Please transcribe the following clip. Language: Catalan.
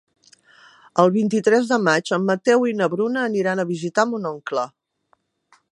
El vint-i-tres de maig en Mateu i na Bruna aniran a visitar mon oncle.